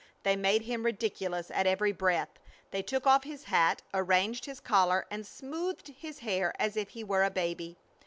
They made him ridiculous at every breath. They took off his hat, arranged his collar, and smoothed his hair as if he were a baby.